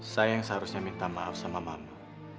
saya yang seharusnya minta maaf sama mama